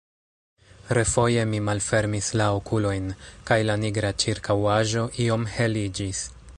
Refoje mi malfermis la okulojn, kaj la nigra ĉirkaŭaĵo iom heliĝis.